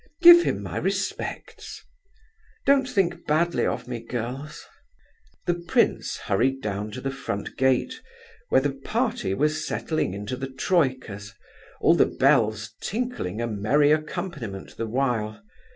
Give him my respects. Don't think badly of me, girls." The prince hurried down to the front gate where the party were settling into the troikas, all the bells tinkling a merry accompaniment the while.